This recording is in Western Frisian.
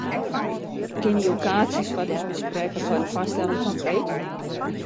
Kinne jo kaartsjes foar ús besprekke foar de foarstelling fan freed?